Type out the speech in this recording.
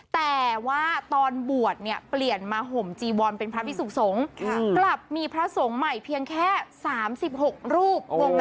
แต่ว่าตอนบวชเนี่ยเปลี่ยนมาห่มจีวอนเป็นพระพิสุขสงฆ์กลับมีพระสงฆ์ใหม่เพียงแค่๓๖รูป